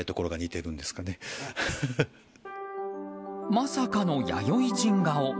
まさかの弥生人顔。